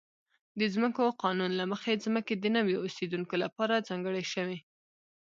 د ځمکو قانون له مخې ځمکې د نویو اوسېدونکو لپاره ځانګړې شوې.